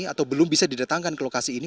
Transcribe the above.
atau belum bisa didatangkan ke lokasi ini